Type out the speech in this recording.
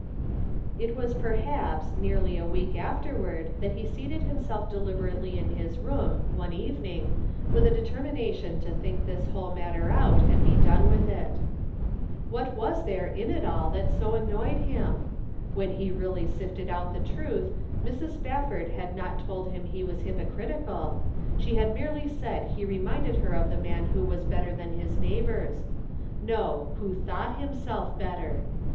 It was, perhaps, nearly a week afterward that he seated himself deliberately in his room, one evening, with a determination to think this whole matter out and be done with it. What was there in it all that so annoyed 174 The Pocket Measure. him ? When he really sifted out the truth, Mrs. Spafford had not told him he was hypocritical, she had merely said he reminded her of the man who was better than his neigh bors ; no, Mrho thought himself better.